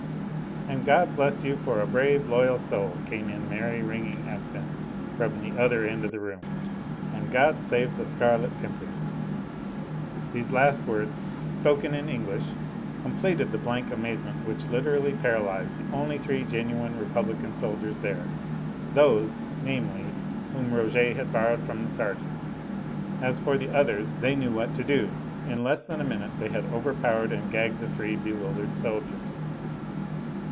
"And God bless you for a brave, loyal soul," came in merry, ringing accent from the other end of the room. "And God save the Scarlet Pimpernel!" These last words, spoken in English, completed the blank amazement which literally paralysed the only three genuine Republican soldiers there those, namely, whom Rouget had borrowed from the sergeant. As for the others, they knew what to do. In less than a minute they had overpowered and gagged the three bewildered soldiers.